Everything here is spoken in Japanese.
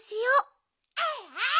あいあい！